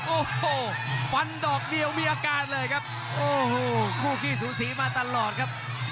โอ้โหฟันดอกเดียวมีอาการเลยครับโอ้โหคู่ขี้สูสีมาตลอดครับ